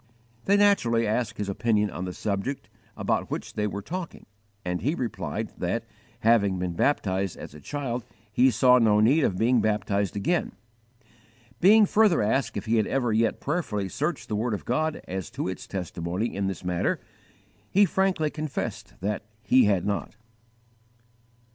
They naturally asked his opinion on the subject about which they were talking, and he replied that, having been baptized as a child, he saw no need of being baptized again. Being further asked if he had ever yet prayerfully searched the word of God as to its testimony in this matter, he frankly confessed that he had not.